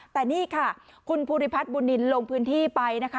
แต่นี่ค่ะคุณภูริพัฒน์บุญนินลงพื้นที่ไปนะคะ